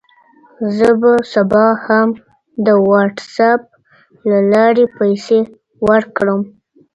زه به سبا هم د وټساپ له لارې پیسې ورکړم.